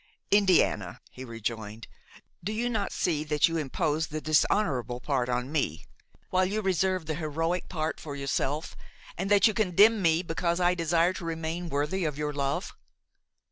"Indiana," he rejoined, "do you not see that you impose the dishonorable part on me, while you reserve the heroic part for yourself, and that you condemn me because I desire to remain worthy of your love?